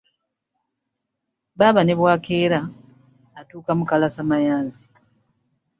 Baaba ne bw’akeera, atuuka mu kalasamayanzi.